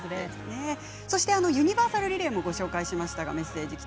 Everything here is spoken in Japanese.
そして、ユニバーサルリレーもご紹介しましたがメッセージです。